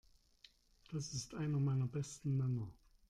Das ist einer meiner besten Männer.